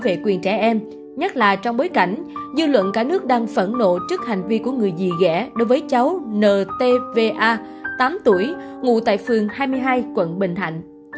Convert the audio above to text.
hội bảo vệ quyền trẻ em nhất là trong bối cảnh dư luận cả nước đang phẫn nộ trước hành vi của người dì ghẻ đối với cháu ntva tám tuổi ngủ tại phường hai mươi hai quận bình thạnh